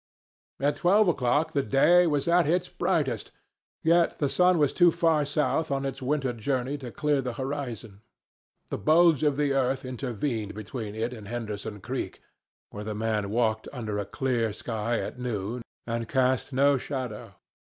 At twelve o'clock the day was at its brightest. Yet the sun was too far south on its winter journey to clear the horizon. The bulge of the earth intervened between it and Henderson Creek, where the man walked under a clear sky at noon and cast no shadow.